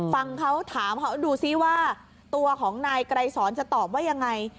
ฟังเขาถามเขาดูซิว่าตัวของนายไกรสอนจะตอบว่ายังไง